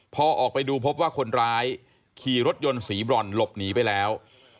พอออกไปดูพบว่าคนร้ายขี่รถยนต์สีบรอนหลบหนีไปแล้ว